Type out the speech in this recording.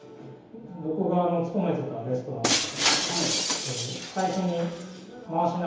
僕が勤めてたレストランでも。